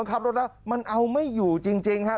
ขับรถแล้วมันเอาไม่อยู่จริงฮะ